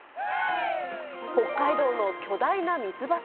北海道の巨大な水柱。